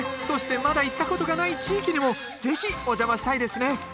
そしてまだ行ったことがない地域にもぜひお邪魔したいですね。